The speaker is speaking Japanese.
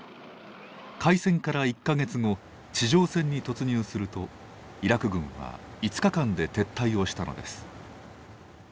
開戦から１か月後地上戦に突入するとイラク軍は５日間で撤退をしたのです。